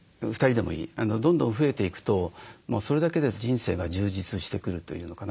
どんどん増えていくとそれだけで人生が充実してくるというのかな。